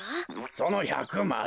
その１００まで。